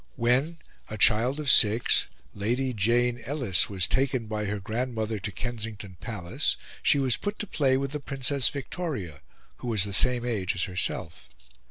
When, a child of six, Lady Jane Ellice was taken by her grandmother to Kensington Palace, she was put to play with the Princess Victoria, who was the same age as herself.